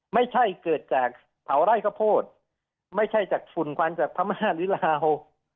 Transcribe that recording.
ไม่ใช่เกิดจากเผาไล่คโพสไม่ใช่จากฝุ่นควันจากพระมาศหรือเหล่า